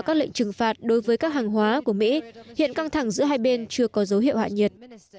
các lệnh trừng phạt đối với các hàng hóa của mỹ hiện căng thẳng giữa hai bên chưa có dấu hiệu hạ nhiệt